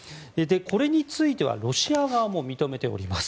これについてはロシア側も認めております。